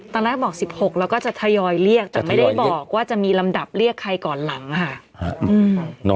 ตอนแรกบอก๑๖แล้วก็จะทยอยเรียกแต่ไม่ได้บอกว่าจะมีลำดับเรียกใครก่อนหลังค่ะ